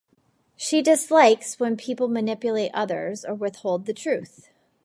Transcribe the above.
She dislikes when people manipulate others or withhold the truth.